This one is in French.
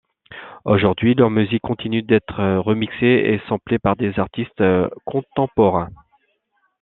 Aujourd'hui, leur musique continue d'être remixée et samplée par des artistes contemporains.